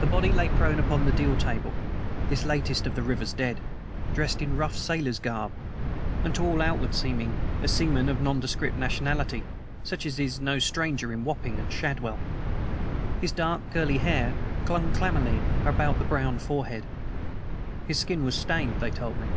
The body lay prone upon the deal table this latest of the river's dead dressed in rough sailor garb, and, to all outward seeming, a seaman of nondescript nationality such as is no stranger in Wapping and Shadwell. His dark, curly hair clung clammily about the brown forehead; his skin was stained, they told me.